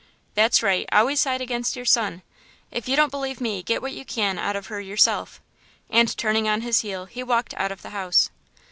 "That's right; always side against your son! ...If you don't believe me, get what you can out of her yourself." And, turning on his heel, he walked out of the house.